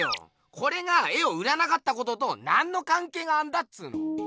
これが絵を売らなかったことと何のかんけいがあんだっつーの！